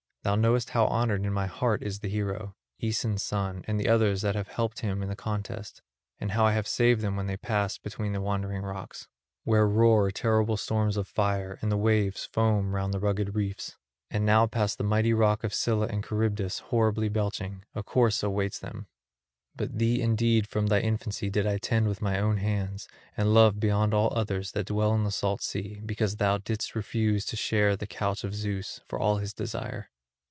Thou knowest how honoured in my heart is the hero, Aeson's son, and the others that have helped him in the contest, and how I saved them when they passed between the Wandering rocks, where roar terrible storms of fire and the waves foam round the rugged reefs. And now past the mighty rock of Scylla and Charybdis horribly belching, a course awaits them. But thee indeed from thy infancy did I tend with my own hands and love beyond all others that dwell in the salt sea because thou didst refuse to share the couch of Zeus, for all his desire.